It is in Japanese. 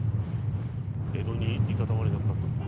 江戸にいたたまれなかったのだ。